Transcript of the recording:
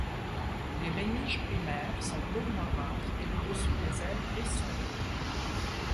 Les rémiges primaires sont bleu noirâtre et le dessous des ailes gris sombre.